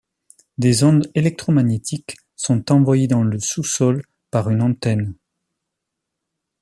Des ondes électromagnétiques sont envoyées dans le sous-sol par une antenne.